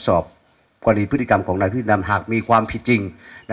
สอบกรณีพฤติกรรมของนายพิธีดำหากมีความผิดจริง